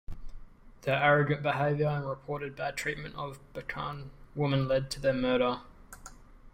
Their arrogant behaviour and reported bad treatment of Bacan women led to their murder.